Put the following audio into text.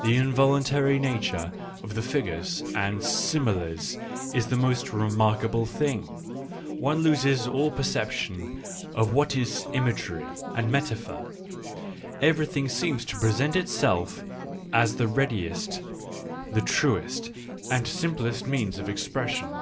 The involuntary nature of the figures and similes is the most remarkable thing ; one loses all perception of what is imagery and metaphor ; everything seems to present itself as the readiest, the truest, and simplest means of expres sion.